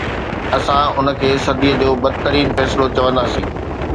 اسان ان کي صدي جو بدترين فيصلو چونداسون